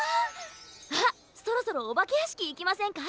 あっそろそろおばけやしきいきませんか？